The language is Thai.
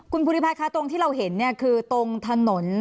คุณภูริภายคะตรงที่เราเห็นคือตรงถนน